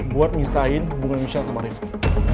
buat nisahin hubungan michelle sama rifki